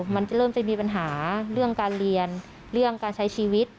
มันจะเริ่มจะมีปัญหาเรื่องการเรียนเรื่องการใช้ชีวิต